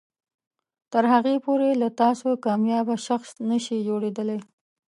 تر هغې پورې له تاسو کاميابه شخص نشي جوړیدلی